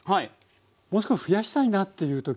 もう少し増やしたいなっていう時は。